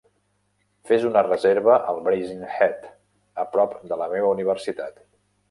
Fes una reserva al Brazen Head, a prop de la meva universitat